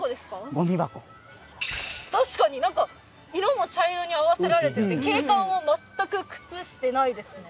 ゴミ箱確かに何か色も茶色に合わせられてて景観を全く崩してないですね